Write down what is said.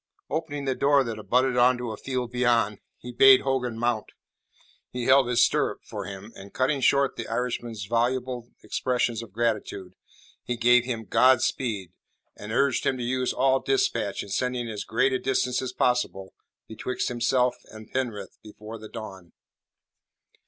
Opening the door that abutted on to a field beyond, he bade Hogan mount. He held his stirrup for him, and cutting short the Irishman's voluble expressions of gratitude, he gave him "God speed," and urged him to use all dispatch in setting as great a distance as possible betwixt himself and Penrith before the dawn.